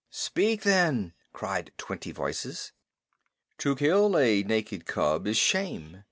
"Speak then," cried twenty voices. "To kill a naked cub is shame.